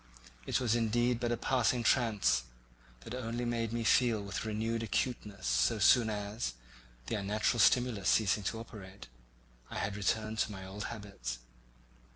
It was indeed but a passing trance, that only made me feel with renewed acuteness so soon as, the unnatural stimulus ceasing to operate, I had returned to my old habits.